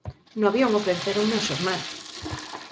No avión ofrecéronme o xornal!